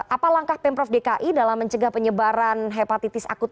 apa langkah pemprov dki dalam mencegah penyebaran hepatitis akut